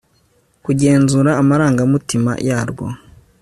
kugenzura amarangamutima yarwo